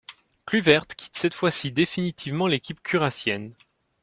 Kluivert quitte cette fois-ci définitivement l'équipe curacienne.